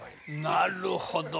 なるほど。